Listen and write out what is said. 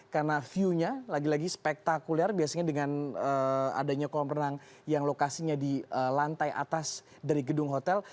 karena view nya lagi lagi spektakuler biasanya dengan adanya kolam berenang yang lokasinya di lantai atas dari gedung hotel